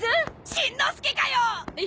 しんのすけかよっ！